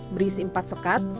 berisi empat sekat